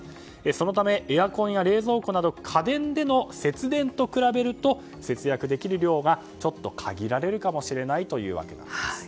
そのため、エアコンや冷蔵庫など家電での節電と比べると節約できる量がちょっと限られるかもしれないというわけなんです。